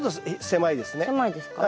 狭いですか？